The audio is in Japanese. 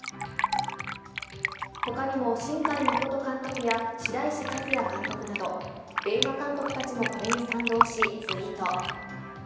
ほかにも新海誠監督や、白石和彌監督など、映画監督たちもこれに賛同し、ツイート。